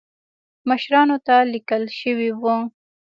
مشرانو ته لیکل شوي وو.